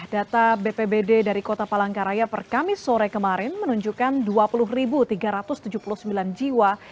data bpbd dari kota palangkaraya per kamis sore kemarin menunjukkan dua puluh tiga ratus tujuh puluh sembilan jiwa